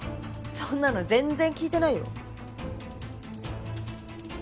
そんなの全然聞いてないよ。